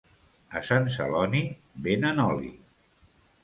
A Sant Celoni venen oli.